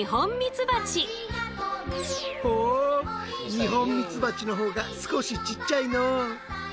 ニホンミツバチのほうが少しちっちゃいのう！